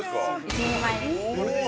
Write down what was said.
◆１人前です。